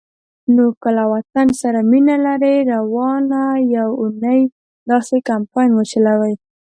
نو که له وطن سره مینه لرئ، روانه یوه اونۍ داسی کمپاین وچلوئ